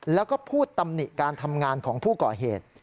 แล้วก็พูดตำหนิการทำงานของผู้ก่อเหตุ